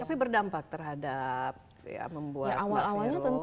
tapi berdampak terhadap ya membuat mbak vero mungkin hangat